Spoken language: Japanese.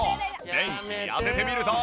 便器に当ててみると。